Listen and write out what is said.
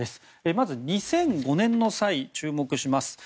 まず２００５年の際注目します。